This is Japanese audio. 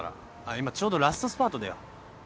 今ちょうどラストスパートでよ。